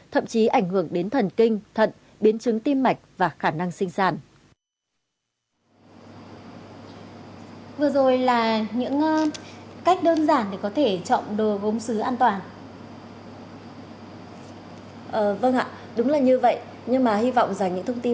thậm chí ảnh hưởng đến thần kinh thận biến chứng tim mạch và khả năng sinh sản